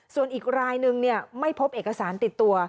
ส่วนอีกรายนึงไม่พบเอกสารติดตัว